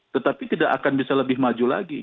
tetapi tidak akan bisa lebih maju lagi